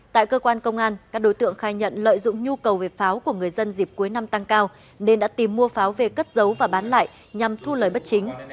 tại cơ quan công an các đối tượng khai nhận lợi dụng nhu cầu về pháo của người dân dịp cuối năm tăng cao nên đã tìm mua pháo về cất giấu và bán lại nhằm thu lời bất chính